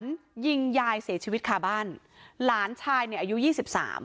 ยิงยายเสียชีวิตคาบ้านหลานชายเนี่ยอายุยี่สิบสาม